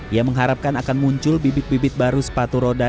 ia mengharapkan akan muncul bibit bibit baru sepatu roda